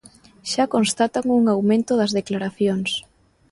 Xa constatan un aumento das declaracións.